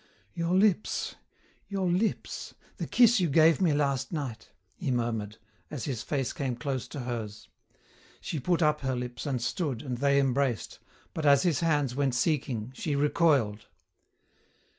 "Your lips, your lips the kiss you gave me last night " he murmured, as his face came close to hers. She put up her lips and stood, and they embraced, but as his hands went seeking she recoiled.